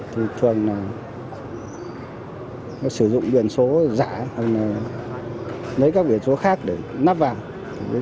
thì thường là sử dụng biển số giả hay là lấy các biển số khác để nắp vào